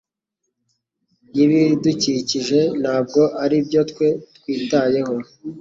y'ibidukikije nta bwo ari byo twe twitayeho